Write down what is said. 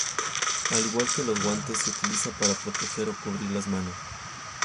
Al igual que los guantes, se utiliza para proteger o cubrir las manos.